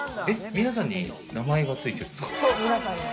みなさんに名前がついてるんですか？